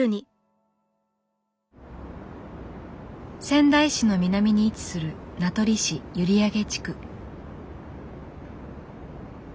仙台市の南に位置する名取市閖上地区。